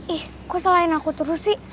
ih kok selain aku terus sih